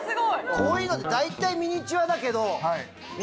こういうのって大体ミニチュアだけど。